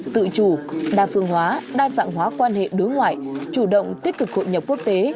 tự chủ đa phương hóa đa dạng hóa quan hệ đối ngoại chủ động tích cực hội nhập quốc tế